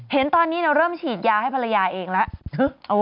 เห็นตอนนี้เริ่มฉีดยาให้ภรรยาเองแล้ว